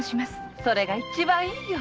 それが一番いいよ。